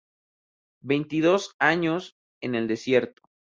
Veintidós años en el desierto".